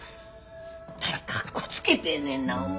何かっこつけてんねんな。